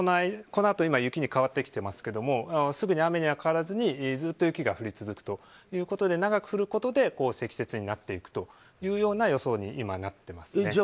このあと雪に変わってきてますがすぐに雨には変わらずずっと雪が降り続くということで長く降ることで積雪になっていくというような予想に今なっていますね。